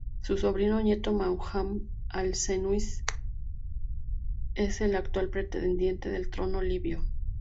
Su sobrino nieto, Muhammad al-Senussi, es el actual pretendiente al trono libio.